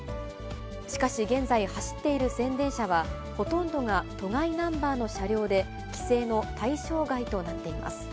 しかし現在、走っている宣伝車は、ほとんどが都外ナンバーの車両で、規制の対象外となっています。